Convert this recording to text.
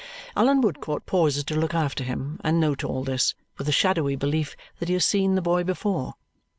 Allan Woodcourt pauses to look after him and note all this, with a shadowy belief that he has seen the boy before.